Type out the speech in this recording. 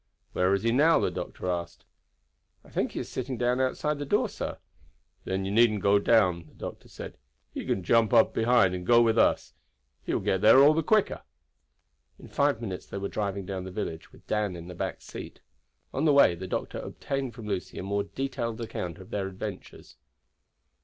"Where is he now?" the doctor asked. "I think he is sitting down outside the door, sir." "Then you needn't go down," the doctor said. "He can jump up behind and go with us. He will get there all the quicker." In five minutes they were driving down the village, with Dan in the back seat. On the way the doctor obtained from Lucy a more detailed account of their adventures.